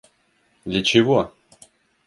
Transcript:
Для чего?